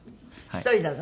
一人なの？